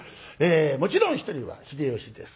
もちろん一人は秀吉です。